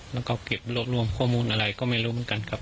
แล้วก็เก็บรวบรวมข้อมูลอะไรก็ไม่รู้เหมือนกันครับ